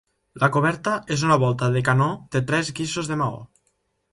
La coberta és una volta de canó de tres guixos de maó.